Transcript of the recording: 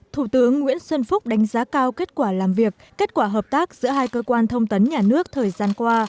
thủ tướng nguyễn xuân phúc đánh giá cao kết quả làm việc kết quả hợp tác giữa hai cơ quan thông tấn nhà nước thời gian qua